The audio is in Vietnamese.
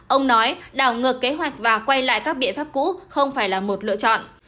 ông nói đảo ngược kế hoạch và quay lại các biện pháp cũ không phải là một lựa chọn